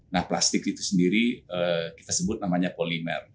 nah plastik itu sendiri kita sebut namanya polimer